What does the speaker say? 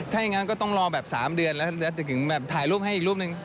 ถ้าอย่างนั้นก็ต้องรอแบบ๓เดือนแล้วถึงแบบถ่ายรูปให้อีกรูปหนึ่ง